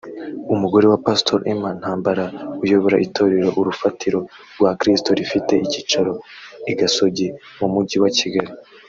umugore wa Pastor Emma Ntambara uyobora itorero Urufatiro rwa Kristo rifite icyicaro i Gasogi mu mujyi wa Kigali